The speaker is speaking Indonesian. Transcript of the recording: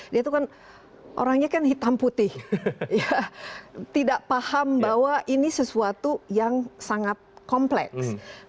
dia itu kan orangnya kan hitam putih tidak paham bahwa ini sesuatu yang sangat kompleks